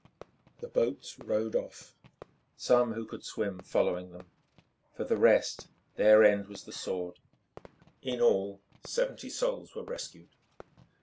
The boats rowed off, some who could swim following them. For the rest, their end was the sword. In all, seventy souls were rescued.